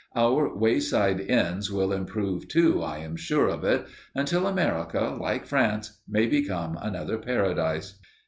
Our wayside inns will improve, too, I am sure of it, until America, like France, may become another paradise.